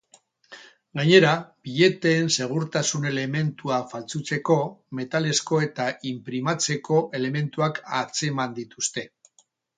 Gainera, billeteen segurtasun elementuak faltsutzeko metalezko eta inprimatzeko elementuak atzeman dituzte.